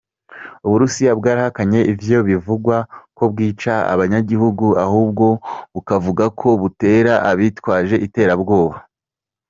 Uburusiya bwarahakanye ivyo bivugwa ko bwica abanyagihugu, ahubwo bukavuga ko butera abitwaje iterabwoba.